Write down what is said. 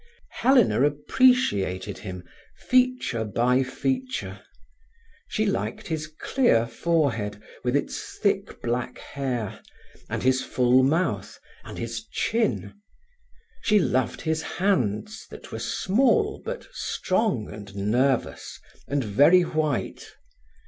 Helena appreciated him, feature by feature. She liked his clear forehead, with its thick black hair, and his full mouth, and his chin. She loved his hands, that were small, but strong and nervous, and very white.